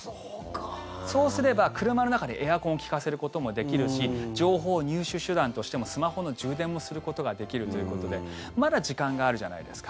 そうすれば車の中でエアコンを利かせることもできるし情報入手手段としてもスマホの充電もすることができるということでまだ時間があるじゃないですか。